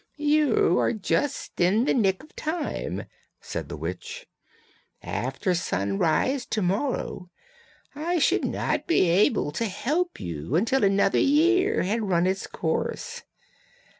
'You are just in the nick of time,' said the witch; 'after sunrise to morrow I should not be able to help you until another year had run its course.